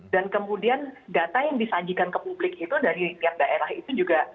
dan kemudian data yang disajikan ke publik itu dari tiap daerah itu juga